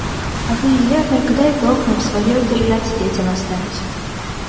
А вы и я — только дай Бог нам свое удержать и детям оставить.